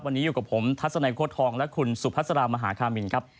วันนี้อยู่กับผมทัศนัยโค้ดทองและคุณสุพัสรามหาคามินครับ